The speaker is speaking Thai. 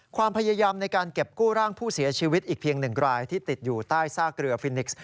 ความพยายามในการเก็บกู้ร่างผู้เสียชีวิตอีกเพียง๑รายที่ติดอยู่ใต้ซากเรือฟินิกส์